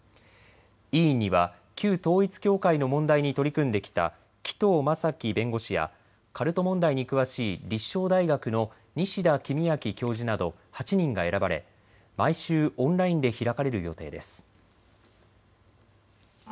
委員には旧統一教会の問題に取り組んできた紀藤正樹弁護士やカルト問題に詳しい立正大学の西田公昭教授など８人が選ばれ、毎週オンラインで開かれる予定です。